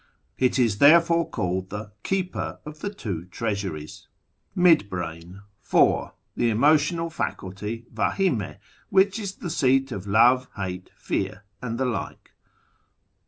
It is therefore ' sometimes called the " keeper of the two treasuries." 4. The Emotional Faculty ( F(?/m?ie'), which is the seat of love, hate, fear, and the like.